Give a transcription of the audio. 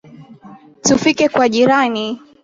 Tufike kwa jirani